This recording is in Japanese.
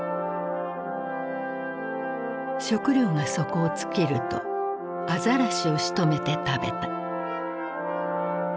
食料が底を尽きるとアザラシをしとめて食べた。